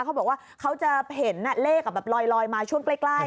เขาบอกว่าเขาจะเห็นเลขแบบลอยมาช่วงใกล้